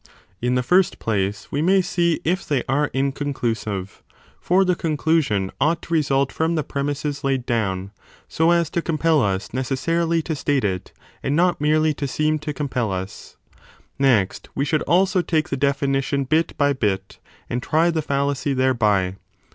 CHAPTER VI i68 a In the first place, we may see if they are inconclusive: for the conclusion ought to result from the premisses laid down, so as to compel us necessarily to state it and not merely to seem to compel us. Next we should also take the definition bit by bit, and try the fallacy thereby.